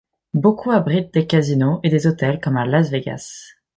Beaucoup abritent des casinos et des hôtels comme à Las Vegas.